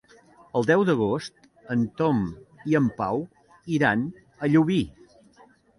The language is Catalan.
El deu d'agost en Tom i en Pau iran a Llubí.